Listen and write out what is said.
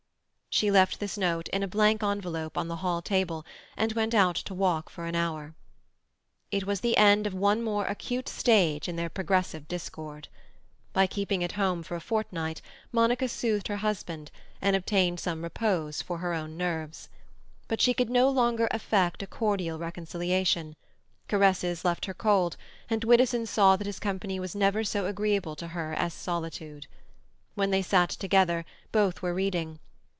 She left this note, in a blank envelope, on the hall table, and went out to walk for an hour. It was the end of one more acute stage in their progressive discord. By keeping at home for a fortnight, Monica soothed her husband and obtained some repose for her own nerves. But she could no longer affect a cordial reconciliation; caresses left her cold, and Widdowson saw that his company was never so agreeable to her as solitude. When they sat together, both were reading.